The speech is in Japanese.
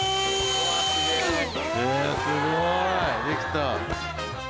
できた。